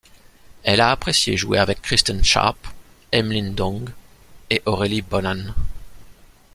Elle a apprécié jouer avec Kristen Sharp, Emmeline Ndongue et Aurélie Bonnan.